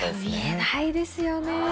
見えないですよね。